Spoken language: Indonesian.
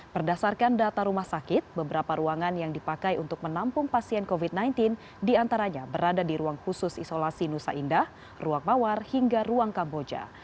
berdasarkan data rumah sakit beberapa ruangan yang dipakai untuk menampung pasien covid sembilan belas diantaranya berada di ruang khusus isolasi nusa indah ruang mawar hingga ruang kamboja